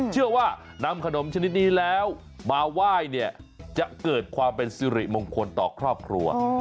เชื่อว่านำขนมชนิดนี้แล้วมาไหว้เนี่ยจะเกิดความเป็นสิริมงคลต่อครอบครัว